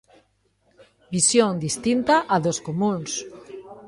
Visión distinta a dos comúns.